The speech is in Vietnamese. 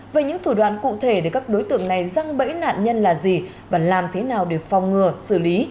về những thủ đoạn cụ thể để các đối tượng này răng bẫy nạn nhân là gì và làm thế nào để phòng ngừa xử lý